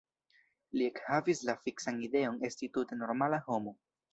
Li ekhavis la fiksan ideon esti tute normala homo.